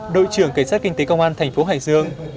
đội trưởng cảnh sát kinh tế công an thành phố hải dương